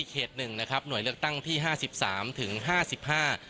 เขตหนึ่งนะครับหน่วยเลือกตั้งที่ห้าสิบสามถึงห้าสิบห้า